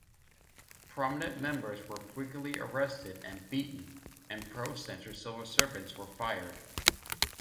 Prominent members were frequently arrested and beaten, and pro-Centre civil servants were fired.